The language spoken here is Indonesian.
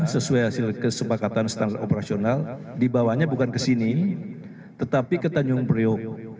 berhasil kesepakatan standar operasional dibawanya bukan ke sini tetapi ke tanjung priuk